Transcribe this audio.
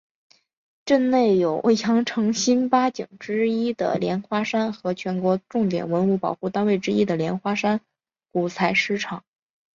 镇内有羊城新八景之一的莲花山和全国重点文物保护单位之一的莲花山古采石场。